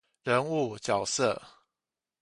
人物角色